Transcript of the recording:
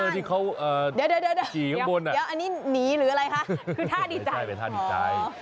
เดี๋ยวอันนี้หนีหรืออะไรฮะคือถ้าดีใจ